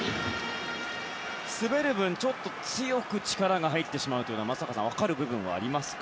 滑る分、ちょっと強く力が入ってしまうのは松坂さん分かる部分はありますか？